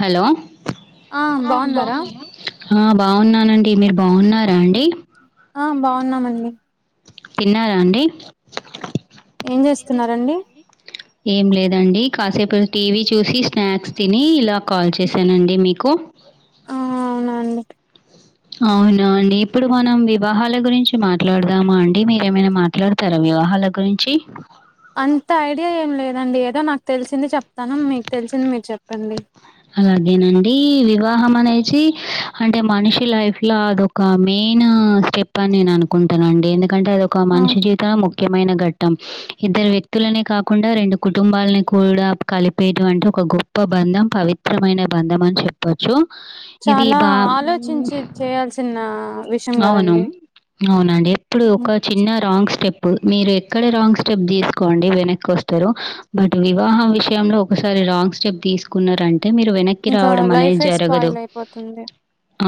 Hello ఆ బాగున్నారా ఆ బాగున్నానండి మీరు బాగున్నారా అండి ఉన్నామండి తిన్నారా అండి ఏం చేస్తున్నారండి ఏం లేదండి కాసేపు ఏదో టీవీ చూసి స్నాక్స్ తిని ఇలా కాల్ చేశానండి మీకు ఆ అవునా అండి అవునా అండి ఇప్పుడు మనం వివాహాల గురించి మాట్లాడదామా అండి మీరేమైనా మాట్లాడతారా మి వివాహాల గురించి అంత ఐడియా ఏం లేదండి ఏదో నాకు తెలిసింది చెప్తాను మీకు తెలిసింది మీరు చెప్పండి అలాగేనండి వివాహం అనేసి అంటే మనిషి లైఫ్ లో అదొక మెయిన్ ఆ స్టెప్ అని నేను అనుకుంటాను అండి ఎందుకంటే అది ఒక ఆ మనిషి జీవితంలో ముఖ్యమైన ఘట్ట ట్టం ఇద్దరు వ్యక్తులనే కాకుండా రెండు కుటుంబాలని కూడా కలిపేటువంటి ఒక గొప్ప బ బంధం పవిత్రమైన బంధం అని చెప్పొచ్చు ఇది చాలా బా ఆలోచించి చేయాల్సిన విషయం అవును. కదండి అవునండి ఎప్పుడు ఒక చిన్న రాంగ్ స్టెప్ పు మీరు ఎక్కడ రాంగ్ స్టెప్ తీసుకోండి వెనక్కి వస్తారు బట్ వివాహం విషయంలో ఒకసారి రాంగ్ స్టెప్ తీసుకున్నారంటే మీరు వెనక్కి ఇంకా రావడం అనేది లైఫే జరగదు స్పాయిల్ అయిపోతుంది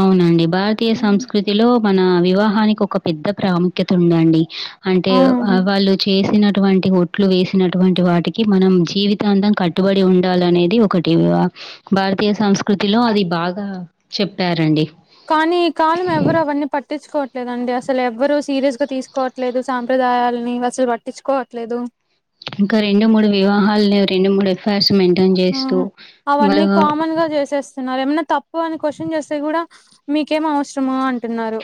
అవునండి భారతీయ సంస్కృతిలో మన వివాహానికి ఒక పెద్ద ప్రాముఖ్యత ఉందండి అంటే అవును వాళ్ళు చేసిన అటువంటి ఒట్లు వేసినటువంటి వాటికి మనం జీవితాంతం కట్టుబడి ఉండాలనేది ఒకటి భారతీయ సంస్కృతిలో అది బాగా చెప్పారండి కానీ ఈ కాలం ఎవరు అవన్నీ పట్టించుకో లేదండి అసలు ఎవ్వరు సీరియస్ గా తీసుకోవట్లేదు సాంప్రదాయాలని అసలు పట్టించుకోవట్లేదు. ఇంకా రెండు మూడు వివాహాలు రెండు, మూడు ఎఫైర్స్ మెయింటైన్ ఆ చేస్తూ అవన్నీ వాళ్ళు కామన్ గా చేసేస్తున్నారు ఏమన్నా తప్పు అని క్వశ్చన్ చేస్తే కూడా మీకేం అవసరమ అంటున్నారు.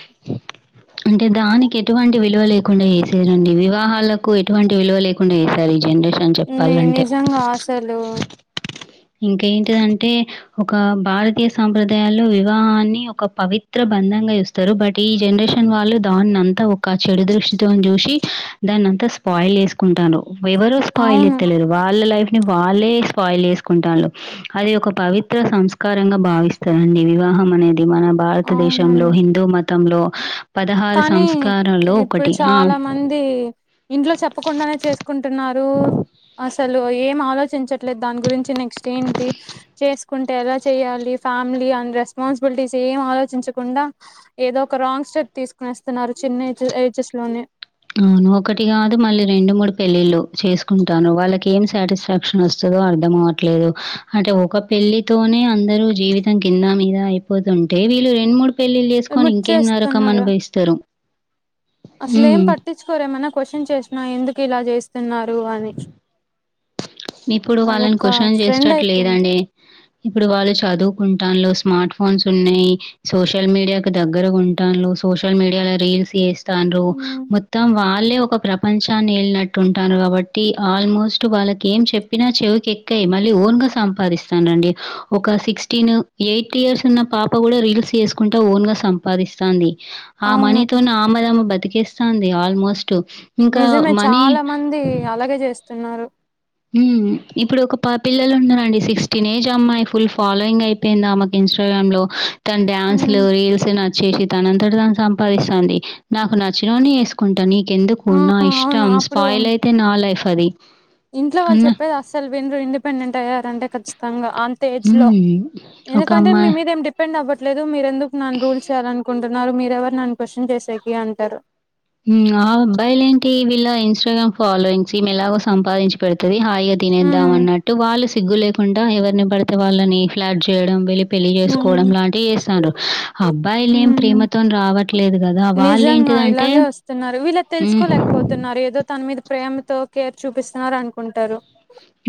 అంటే దానికి ఎటువంటి విలువ లేకుండా చేశారండి వివాహాలకు ఎటువంటి విలువ లేకుండా చేసారు. జనరేషన్ ని చెప్పాలంటే, నిజంగా అసలు ఇంక ఏంటిదంటే ఒక భారతీయ సాంప్రదాయాల్లో వివాహాన్ని ఒక పవిత్ర అందంగా చుస్తారు బట్ ఈ జనరేషన్ వాళ్ళు దాన్నింతా ఒక చెడు దృష్టితోని చూసి దాన్ని స్పాయిల్ చేసుకుంటారు ఎవరు స్పాయిల్ అవును చేత్తలేరు వాళ్ళ లైఫ్ ని వాళ్ళే స్పాయిల్ చేసు కుంటలు అది ఒక పవిత్ర సంస్కారంగా భావిస్తారండి వివాహం అనేది. ఇది మన భారతదేశంలో అవునండి హిందూ మతంలో కానీ సంస్కారాల్లో ఇప్పుడు ఒకటి. ఆ! చాలా మంది ఇంట్లో చెప్పకుండానే చేసుకుంటున్నారు అసలు ఏం ఆలోచించట్లేదు దాని గురించి నెక్స్ట్ ఏంటి చేసుకుంటే ఎలా చేయాలి ఫ్యామిలీ అ రెస్పాన్సిబిలిటీస్ ఏం ఆలోచించకుండా ఏదో ఒక రాంగ్ స్టెప్ తీస్ స్తున్నారు చిన్న ఏ ఏజెస్ లోనే అవును ఒకటి కాదు మళ్ళీ రెండు మూడు పెళ్ళిళ్ళు చేసుకుంటాలు వాళ్ళకి ఏం సాటిస్ఫాక్షన్ వస్తది. అర్థం అవట్లేదు. అంటే ఒక పెళ్లితోనే అందరు జీవితం కింద మీద అయిపోతు అంటే వీళ్ళ రెండు మూడు పెల్లీల్ చేసుని ముట్ ఇంకేం నరకం అనుభవిస్తారు. అసలే ఏం హ్మ్. పట్టించుకోరేమన్నా క్వశ్చన్ చేసినా ఎందుకు ఇలా చేస్తున్నారు అని ఇప్పుడు వాళ్ళని అదొక క్వశ్చన్ ట్రెండ్ చేసటట్టు అయిపోయింది లేదండి. ఇప్పుడు వాళ్ళు చదువుకుంటా లో స్మార్ట్ ఫోన్స్ ఉన్నాయి సోషల్ మీడియాకు దగ్గర ఉంటాన్లు సోషల్ మీడియాలో రీల్స్ చేస్తాడ్లు ఉమ్ మొత్తం వాళ్లే ఒక ప్రపంచాన్ని ఎళ్ళినట్టు ఉంటారు కాబట్టి ఆల్మోస్ట్ వాళ్ళ ఏం చెప్పినా చెవికి ఎక్కాయి మళ్ళీ ఓన్ గా సంపాదిస్తానులనండి ఒక సిక్స్టీన్ ఎయిటీ యర్స్ ఉన్న పాప కూడా రీల్స్ చేసుకుంటా ఓన్ గా సంపాదిస్తాంది. ఆ అవును మనీతోనే ఆమదమ్మ బతికేస్తంది ఆల్మోస్ట్ టు ఇంకా నిజమే మనీ చాలా మంది అలాగే చేస్తున్నారు ఇప్పుడు ఒక పా పిల్లలు ఉండారండి సిక్స్టీన్ ఏజ్ అమ్మాయి ఫుల్ ఫాలోయింగ్ అయిపోయింది ఆమెకి ఇన్స్టాగ్రామ్ లో తన డ్యాన్స్ ఉమ్ రీల్స్ నచ్చే తనంతట దాన్ని సంపాదిస్తాంది నాకు నచ్చినోనీ చేసుకుంటా ఎందుకు ఆ నా అవును ఇష్టం అప్పుడు స్పాయిల్ అయితే నా లైఫ్ అది. ఇంట్లో వాళ్ళు అన్న చెప్పది అస వినరు ఇండిపెండెంట్ అయ్యారంటే ఖచ్చితంగా అంత ఏజ్ లో హ్మ్. ఒక ఎందుకంటే మీ అమ్మాయి మీద ఏమి డిపెండ్ అవ్వట్ ట్లేదు మీరెందుకు ను రూల్ చేయాలనుకుంటున్నారు. మీరెవరు నన్ను క్వశ్చన్ చేసేకి అంటారు. ఆ అబ్బాయిలు ఏంటి వీళ్ళ ఇన్స్టాగ్రామ్ ఫాలోయింగ్స్ ఈమె ఎలాగో సంపాదించి పెడుతది. హాయిగా తినేద్దాం ఉమ్ అన్నట్టు వాళ్ళు సిగ్గు లేకుండా ఎవరిని పడితే వాళ్ళని ఫ్లాట్ చేయడం. పెళ్లి చేసుకోవడం ఉమ్ లాంటివి చెస్తాండ్రు ఆ అబ్బాయిలు ఏం ప్రేమతో ఉమ్ రావట్లేదు కదా వాళ్ళు ఏంటిదంటే న్నారు వీళ్ళ తెలుసుకోలేకపోతున్నారు ఏదో తన మీద ప్రేమతో కేర్ చూపిస్తున్నారు అనుకుంటారు.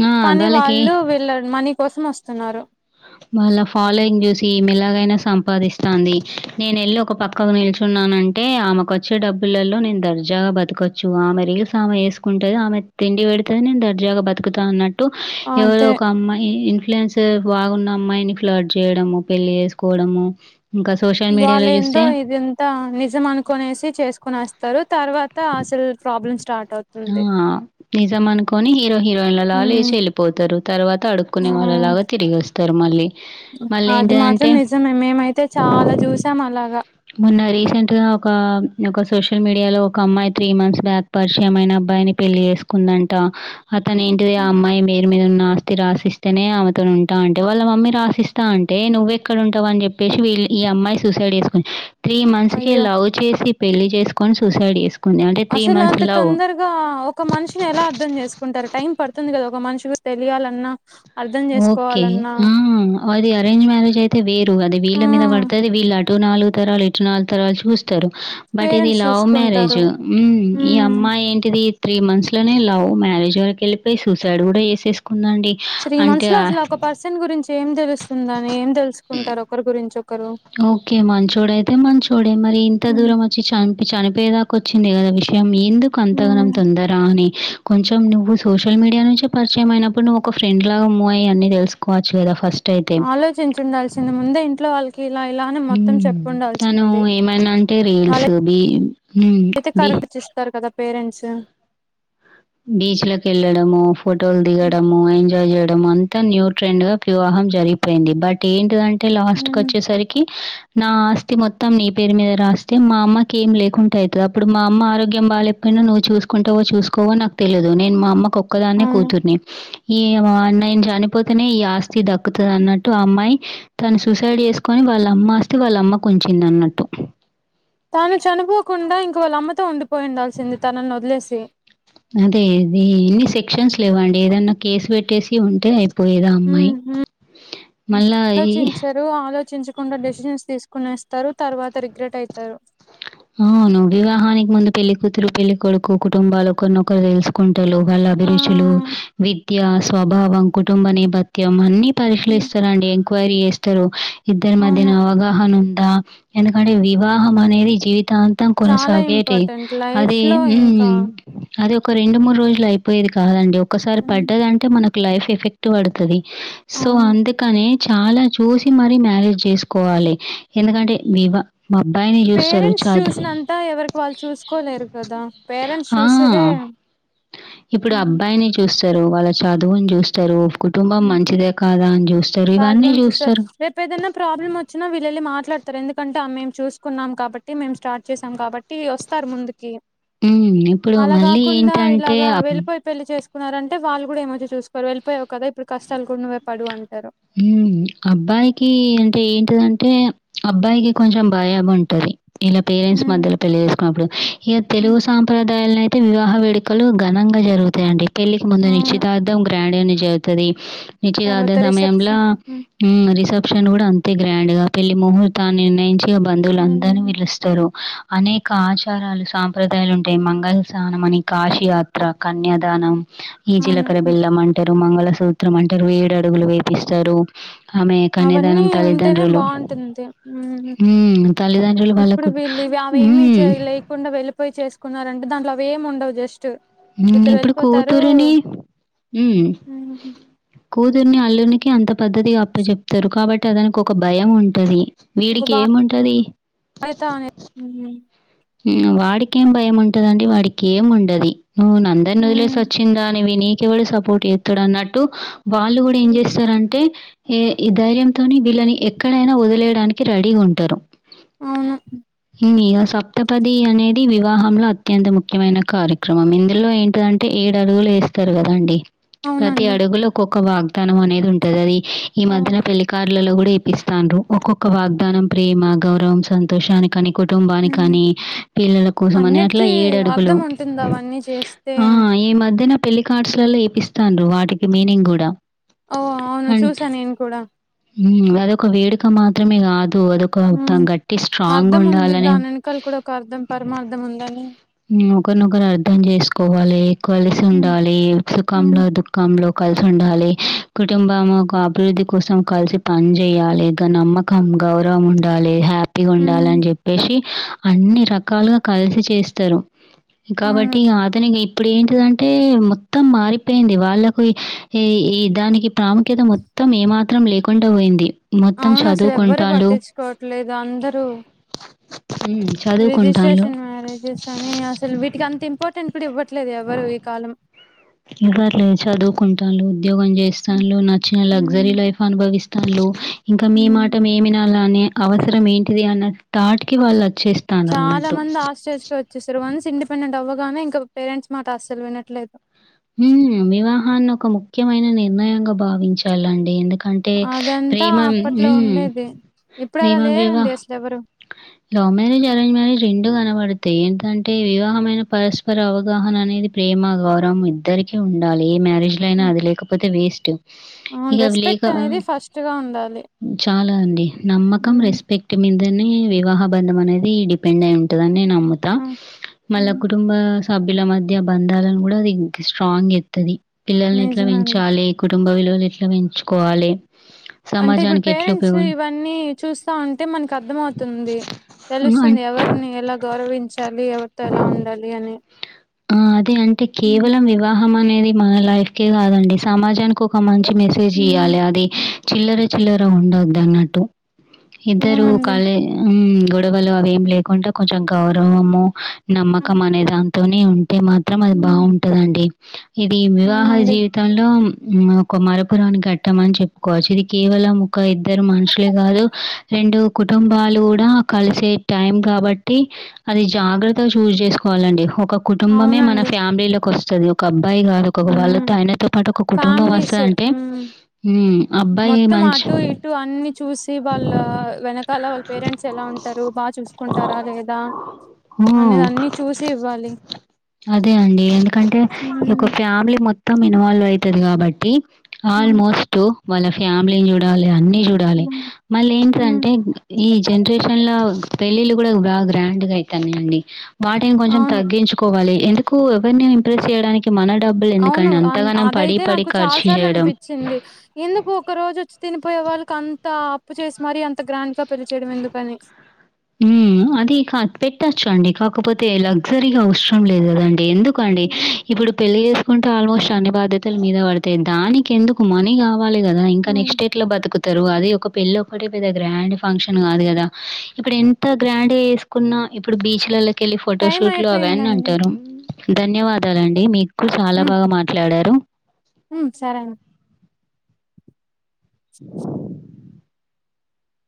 ఆ! కానీ వాళ్ళకి వాళ్ళు వెళ్ళరు మనీ కోసం వస్తున్నారు. వాళ్ళ ఫాలోయింగ్ చూసి ఈమె ఎలాగైనా సంపాదిస్తాంది నేను వెళ్ళి ఒక పక్కకు నిల్చు న్నానంటే ఆమెకు వచ్చే డబ్బులలో నేను దర్జాగా బతకొచ్చు ఆమె రీల్స్ ఆమె చేసుకుంటది ఆమె తిండి పెడతది నేను దర్జాగా బతుకుతా అన్నట్టు ఎవరో అదే ఒక అమ్మాయి ఇన్ఫ్లుయెన్స్ బాగున్న అమ్మాయిని ఫ్లాట్ చేయడము పెళ్ళి చేసుకోవడము. వాళ్ళేందో ఇది అంతా నిజం అనుకునేసి చేసుకుని వ స్తరు తర్వాత అసలు ప్రాబ్లమ్ స్టార్ట్ ఆ అవుతుంది నిజం అనుకొని హీరో హీరోయిన్లలా లేసి ఉమ్ వెళ్ళిపోతారు తర్వాత అడుక్కునే వాళ్ళ లా తిరిగివస్తారు మళ్ళీ అది మళ్ళేంటిదంటే మాత్రం నిజమే మేమైతే చాలా జూసాం అలాగా మొన్న రీసెంట్ గా ఒక ఒక సోషల్ మీడియా లో ఒక అమ్మాయి త్రీ మంత్స్ బ్యాక్ పరిచయం అయిన అబ్బాయిని పెళ్ళి చేసుకుందంట అతను ఏంటిది ఆ అమ్మాయి మీద మీద ఉన్న ఆస్తి రాసిస్తేనే ఆమెతోని ఉంటా అంటే వాళ్ళ మమ్మీ రాసిస్తా అంటే నువెక్కడ ఉంటావు అని జెప్పి యషు వీళ్ ఈ అమ్మాయి సూసైడ్ జేసుకుంది త్రీ మంత్స్ కే అయ్యో లవ్ చేసి పెళ్ళి జేసుకొని సూసైడ్ జేసుకుం అసలు అంత తొందరగా ఒక మనిషిని ఎలా అర్ధం జేసుకుంటారు టైం పడుతుంది గదా ఒక మనిషి గురించి తెలియాలన్నా అర్థం ఓకే చేసుకోవాలన్నా ఆ అది అరేంజ్ మ్యారేజ్ అయితే వేరు అది ఆ వీళ్ళ మీద పడుతది వీళ్ళు అటు నాలుగు తరాలు ఇటు నాలుగు తరాలు చూస్ స్తరు బట్ ఇది పేరెంట్స్ లవ్ మ్యారేజ్ చూసుకుంటారు ఉమ్ ఈ మ్మ్ అమ్మాయి ఏంటిది త్రీ మంత్స్ లోనే లవ్ మ్యారేజ్ వరకి వెళ్ళిపోయి సూసైడ్ గూడా చేసేసుకుందండి త్రీ మంత్స్ అంటే లో ఆహ్, అసలు ఒక పర్సన్ గురించి ఏం తెలుస్తుందని ఏం తెలుసుకుంటారు ఒకరి గురించి ఒక్ ఓకే మంచోడ అయితే మంచోడే మరి ఇంత దూరం వచ్చి చనిపి చనిపోయేదాకా కొచ్చింది గదా విషయం ఎందుకు అంతగనం మ్మ్ తొందర అని కొంచెం నువ్వు సోషల్ మీడియా నుంచి పరిచయం అయినప్పుడు నువ్వు ఒక ఫ్రెండ్ లాగా మూవ్ అయి అన్నీ దెలుసుకోవచ్చు గదా ఫస్ట్ అయితే. ఆలోచించుండాల్సింది ముందే ఇంట్లో వాళ్ళకి ఇలా ఇలా అని మొత్తం హ్మ్. చెప్పు తను ఉండాల్సిందే ఏమైనా అంటే రీల్స్ వాళ్ళు బీ హ్మ్. అయితే బీ కరెక్ట్ చేస్తారు కదా పేరెంట్స్ బీచ్‌లకెళ్ళడము, ఫోటోలు దిగడము, ఎంజాయ్ అంతా న్యూ ట్రెండ్ గా వివాహం జరిగిపోయింది బట్ ఏంటిదంటే అంటే లాస్ట్ కి మ్మ్ వచ్చేసరికి నా ఆస్తి మొత్తం నీ పేరు మీద రాస్తే మా అమ్మకి ఏం లేకుంటా అయితది అప్పుడు మా అమ్మ ఆరోగ్యం బాగాలేక అయినా నువ్వు చూసుంటవో చూసుకోవో నాకు తెలిదు నేను మా అమ్మకు ఒక్కదాన్నే అవును కూతుర్ని ఈ నేను చనిపోతేనే ఈ ఆస్తి దక్కు తను అన్నట్టు ఆ అమ్మాయి తను సూసైడ్ చేసుకొని వాళ్ళ అమ్మ ఆస్తి వాళ్ళ అమ్మ కుంచింది అన్నట్టు తాను చనిపోకుండా ఇంకా వాళ్ళ అమ్మతో ఉండి పోయిండాల్సింది తనని వదిలేసి అదే ఇది ఎన్ని సెక్షన్స్ లేవండి ఏదైన్నా కేసు పెట్టేసి ఉంటే అయి ఉమ్ ఉమ్ మళ్ళా ఈ ఆలోచించరు ఆలోచించకుండా డెసిషన్స్ తీసు కొనేస్తారు తర్వాత రిగ్రెట్ అయితారు అవును వివాహానికి ముందు పెళ్ళి కూతురు పెళ్ళి కొడుకు కుటుంబాలు ఒకరినొకరు దెలుసుకుంట వంటలు వాళ్ళ ఆ అభిరుచులు విద్య స్వభావం కుటుంబ నేపథ్యం అన్ని పరిశీలిస్తరండి ఎంక్వైరీ చేస్తరు ఇద్దరి అవును మధ్యన అవగాహన ఉం ట ఎందుకంటే వివాహం అనేది జీవి తాంతం చాలా కొనసాగేది ఇంపార్టెంట్ లైఫ్ అది లో ఇంకా అది ఒక రెండు మూడు రోజులు అయిపోయేది కాదండి ఒకసారి ఉమ్, పడ్డదంటే మనకు లైఫ్ ఎఫెక్ట్ పడుతుది సో అవును అందుకనే చాలా చూసి మరీ మ్యారేజ్ చేసుకోవాలి ఎందుకంటే మీ వా మా అబ్బాయిని చూస్తారు చూసినంతా ఎవరికి వాళ్ళు చూసుకోలేరు కదా పేరెంట్స్ ఆ! చూసేదే ఇప్పుడు అబ్బాయిని చూస్తారు వాళ్ళ చదువుని చూస్తారు కుటుంబం మంచిదే కాదా అని జూస్తారు. ఇవన్నీ బ్యాక్గ్రౌండ్ చూసారు జూస్తారు. రేపు ఏదైనా ప్రాబ్లమ్ వచ్చినా వీళ్ళు వెళ్ళి మా మాట్లాడతారు ఎందుకంటే ఆ మేము చూసుకున్నాం కాబట్టి మేం స్టార్ట్ చేసాం కాబట్టి వస్తారు ముందుకి హ్మ్. ఇప్పుడు అలా మళ్ళీ కాకుండా ఏంటంటే ఇలాగ అబ్ వెళ్లిపోయి పెళ్లి చేసుకు న్నారంటే వాళ్ళు కూడా ఏమో చూసుకోరు వెళ్ళిపోయావు కదా ఇప్పుడు కష్టాలు కూడా నువ్వే పడు అంటారు ఉమ్ అబ్బాయికి అంటే ఏంటి దంటే అబ్బాయికి కొంచెం భయం ఉంటది ఇలా పేరెంట్స్ ఉమ్, మధ్యలో పెళ్లి చేసుకున్నప్పుడు ఇక తెలుగు ఉమ్, సాంప్రదాలయితే అయితే వివాహ వేడుకలు ఘనంగా జరుగుతాయి అండి పెళ్లికి ముందు అవును నిశ్చితార్థం ప్రడిని చూతది తర్వాత నిశ్చితార్ధం రిసెప్షన్ సమయంలఉమ్ రిసె ప్షన్ కూడా అంతే గ్రాండ్ గా పెళ్లి మహూర్తాన్ని నిర్ణయించి బంధువులు అందరినీ పిలుస్తారు అనేక ఆచారాలు సాంప్రదాయాలు ఉంటాయి మంగళ స్థానం అని కాశీయాత్ర, కన్యాదానం ఈ జీలకర అవును బెల్లం అంటారు మంగళసూత్రం అంటారు ఏడు అడుగులు వేపిస్తారు ఆమె అవన్నీ కన్యాదానం ఉంటేనే తల్లిదండ్రులు బాగుంటుంది హ్మ్ ఉమ్ తల్లిదండ్రులు వాళ్ళ ఇప్పుడు కు వీళ్ళు ఇవి అవేమి చేయ లేకుండా వెళ్లిపోయి చేసుకున్నారంటే దాంట్లో అవి ఏమి ఉండవు జస్ట్ నేను ఇద్దరు ఇప్పుడు వెళ్ళిపోతారు కూతురిని ఉమ్ హ్మ్. కూతుర్ని అల్లునికి అంత పద్ధతిగా అప్పచెప్తారు కాబట్టి అ దానికి ఒక భయం ఉంటుంది ఒక వీడికి ఏముంటది బాధ్యత అనే హ్మ్ వాడికేం భయం ఉంట దండి వాడికి ఏం ఉండది నువ్వు అందరిని వదిలేసి హ్మ్. వచ్చిందా అనివి నీ కెవళ్ళు సపోర్ట్ చేస్తాడు అన్నట్టు వాళ్ళు కూడా ఏం హ్మ్. చేస్తారంటే ఏ ఈ ధైర్యంతోనే వీళ్ళని ఎక్కడైనా వదిలేయడానికి రెడీగా ఉంటారు అవును నేను సప్ సతపది అనేది వివాహంలో అత్యంత ముఖ్యమైన కార్యక్రమం ఇందులో ఏంటదంటే ఏడు అడుగులు వేస్త చెప్తారు కదండి ప్రతి అవునండి అడుగులో ఒక్కొక్క వాగ్దానం అనేది ఉంటది అది ఈ ఆ మధ్యన పెళ్లికార్లలో కూడా ఎపిస్తాండ్రు ఒక్కొక్క వాగ్దానం ప్రేమ గౌరవం సంతోషాని కని కుటుంబ బాని హ్మ్ కాని పిల్లల కోసం అని అట్లా అన్నిటికీ ఏడు అడుగులు అర్థం ఉంటుంది అవన్నీ చేస్తే ఆ ఈ మధ్యనే పెళ్లి కార్డ్స్ ల్లో ఏపిస్తాండ్రు వాటికి మీనింగ్ కూడా ఓ అవును చూసా నేను కూడా ఉమ్ అదొక వేడుక మాత్రమే కాదు తో అద్దోక హ్మ్ గట్టిగా స్ట్రాంగ్ అర్థం ఉంది ఉండాలనే దాని వెనకాల కూడా ఒక అర్థం పరమార్థం ఉందని ఒకరినొకరు అర్ధం చేసుకోవాలి కలిసి హ్మ్ ఉండాలి హ్మ్ సుఖంలో దుఃఖంలో కలిసి ఉండాలి కుటుంబం ఒక అభివృద్ధి కోసం కలిసి పని చేయాలి ఇంకా నమ్మకం గౌరవం ఉండాలి హ్యాపీగా ఉండాలి హ్మ్ అని చెప్పేసి అన్ని రకాలుగా కలిసి చేస్తారు అవును కాబట్టి అతనికి ఇప్పుడు ఏంటిదంటే మొత్తం మారిపోయింది వాళ్ళకు ఈ ఈ దానికి ప్రాముఖ్యత మొత్తం ఏమాత్రం లేకుండా పోయింది మొత్తం అవును అసలు ఎవ్వరు చదువుకుంటాళ్ళు పట్టించుకోవట్లేదు అందరూ హ్మ్. చదువుకుంటాళ్ళు. రిజిస్ట్రేషన్ మ్యారేజెస్ అని అసలు వీటికి అంత ఇంపార్టెంట్ కూడా ఇవ్వట్లేదు ఎవరు ఈ కాలం ఇవర్లేదు చదువుకుంటాలు ఉద్యోగం చేస్తాలు నచ్చిన లగ్జరీ ఉమ్ లైఫ్ అనుభవిస్ వాళ్ళు ఇంకా మీ మాట మేము వినాల అనే అవసరం ఏంటిది అన్న థాట్కి వాళ్ళు వచ్చేస్తాండ్రు చాలా అన్నట్టు. మంది ఆస్టేజ్ కే వచ్చేసారు వన్స్ ఇండిపెండెంట్ అవ్వగానే ఇంకా పేరెంట్స్ మాట అస్సలు వినట్లేదు హు వివాహాన్ని ఒక ముఖ్యమైన నిర్ణయంగా భావించాలండి ఎందుక్ అంటే అదంతా ప్రేమమ్ అప్పట్లో ఉండేది ఇప్పుడు అలా ప్రేమ లేరండి వివహ్ అసలు ఎవరు లవ్ మ్యారేజ్ ఎరేంజ్ మ్యారేజ్ రెండు కనపడు ఏంటంటే వివాహమైన పరస్పర అవగాహన అనేది ప్రేమ గౌరవం ఇద్దరికి ఉండాలి ఏ మ్యా జ్ లో అయినా హ్మ్. అది లేకపోతే వేస్ట్ అవును ఇగ అవి లేక రెస్పెక్ట్ అనేది ఫస్ట్ గా ఉండాలి చాలా అం నమ్మకం ఉమ్ రెస్పెక్ట్ మీదనే వివాహ బంధం అనేది డిపెండ్ అయి ఉంటుందన్ నే నమ్ముతా ఆ మళ్ళ హ్మ్. కుటుంబ సభ్యుల మధ్య బంధాలను కూడా అది స్ట్రాంగ్ చెత్తది పిల్లల్ని ఎట్లా నిజమే అండి పెంచాలి కుటుంబ విలువలు ఎట్లా పెంచుకోవాలి అంటే ఇప్పుడు సమాజానికి ఎట్లా పేరెంట్స్ ఉపయోగం ఇవన్నీ చూస్తా ఉంటే మనకు అర్థంమవుతుంది హ్మ్. అన్ తెలుస్తుంది ఎవరిని ఎలా గౌరవించాలి ఎవరితో ఎలా ఉండాలి అని ఆ అదే అంటే హ్మ్ కేవలం వివాహం అనేది మన లైఫ్కే కాదండి సమాజానికో ఒక మంచి మెసేజ్ హ్మ్. ఇయ్యాలి అది చిల్లర చిల్లర ఉండొద్దు అన్నట్టు ఇద్దరు అవునండి. కాలే గొడవలు అవేమి లేకుండా కొంచెం గౌరవము నమ్మకం హ్మ్ అనే దాంతోనే ఉంటే మాత్రం అది బాగుంటదండి ఇది వివాహ అవునండి. జీవితంలో ఒక మరపురానీ గట్టమని చెప్పుకోవచ్చు ఇది కేవలం ఒక ఇద్దరు మనుషులే కాదు రెండు కుటుంబాలు కూడా కలిసే టైం కాబట్టి అది జాగ్రత్తగా చూస్ చేసుకోవాలండి ఒక కుటుంబమే మన అవునండి. ఫ్యామిలీలకొస్తది ఒక అబ్బాయి కాదు ఒక హ్మ్ వాళ్ళతో ఆయనతో పాటు ఒక కుటుంబం ఫ్యామిలీస్ వస్తదంటే హ్మ్ ఉమ్ మొత్తం అటు ఇటు అన్ని చూసి వాళ్ళ వెనకాల వాళ్ళ పేరెంట్స్ ఎలా ఉంటారు వాల్ చూసుకుంటారా లేదా హ్మ్. అనేది అన్ని చూసి ఇవ్వాలి అదే అండి ఎందుకంటే ఈ యొక్క హ్మ్ ఫ్యామిలీ మొత్ మొత్తం ఇన్వాల్వ్ అయితది కాబట్టి హ్మ్ ఆల్మోస్ట్ వాళ్ళ ఫ్యామిలీల్ చూడాలి అన్ న్నీ చూడాలి హ్మ్ మళ్ళీ హ్మ్ ఎంటిదంటే ఈ జనరేషన్ లో పెళ్ళిళ్ళలు కూడా బా గ్రాండ్ గా అయితున్నయండి వాటిని కొంచెం అవును. తగ్గించుకోవాలి ఎందుకు ఎవరిని ఇంప్రెస్ చేయడానికి మన డబ్బులు అవును ఎందుకండి ఆన్ ఆ అంతగానం పడి అదైతే పడి నాకు చాలా ఖర్చు సార్లు చేయడం అనిపించింది ఎందుకు ఒక రోజు వచ్చి తిని పోయ్ వాళ్ళకి అంత అప్పు చేసి మరి అంత గ్రాండ్ గా పెళ్లి చేయడం ఎందుకని హ్మ్ అది కా పెట్టచ్చు అండి కాకపోతే లగ్జరీ గా అవసరం లేదు కదండి ఎందుక్ కండి హ్మ్. ఇప్పుడు పెళ్లి చేసుకుంటే ఆల్మోస్ట్ అన్ని బాధ్యతల మీద పడతాయి దానికి ఎందుకు మనీ ఆ ఇవ్వాలి కదా ఇంకా హ్మ్. నెక్స్ట్ ఎట్ల బతుకుతారు అది ఒక పెళ్ళోకటే పెద్ద గ్రాండ్ ఫంక్షన్ కాదు కదా ఇప్పుడు ఎంత గ్రాండ్ గా చేసుకున్నా ఇప్పుడు బీచ్లలోకి వెళ్ళి టైం ఫోటోషూట్లు అవ్వని అయిపోయిందండి. అంటారు ధన్యవాదాలండి మీరూ కుడ్ చాలా బాగా మాట్లాడారు ఉ సరేనన్ [unintelligible] [inaudible]